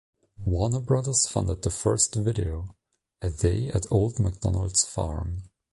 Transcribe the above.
Warner Brothers funded the first video, "A Day at Old MacDonald's Farm".